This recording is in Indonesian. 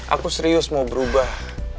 aku serius mau berubah